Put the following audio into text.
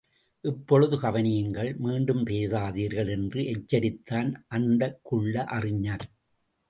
இப்பொழுது கவனியுங்கள், மீண்டும் பேசாதீர்கள் என்று எச்சரித்தான் அந்தக்குள்ள அறிஞன்.